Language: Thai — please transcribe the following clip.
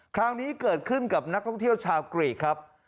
คราวนี้เกิดขึ้นกับนักท่องเที่ยวชาวกรีกครับ